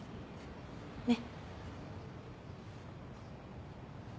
ねっ。